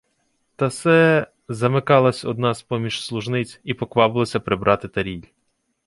— Та се... — замикалась одна з-поміж служниць і поквапилася прибрати таріль.